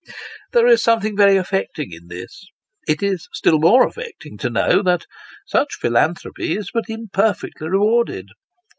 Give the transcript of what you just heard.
There is something very affecting in this. It is still more affecting to know, that such philanthropy is but imperfectly rewarded.